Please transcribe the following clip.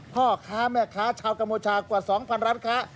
พ่อค้าแม่ค้าชาวกัมพูชากว่า๒๐๐ร้านค้า